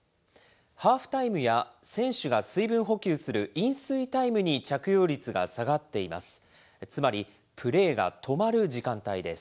ハーフタイムや選手が水分補給する飲水タイムに着用率が下がっています。